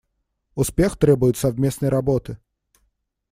Успех требует совместной работы.